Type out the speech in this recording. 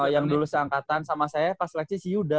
yang dulu seangkatan sama saya pas leksi si yuda